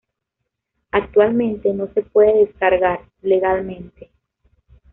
Actualmente no se puede descargar "legalmente".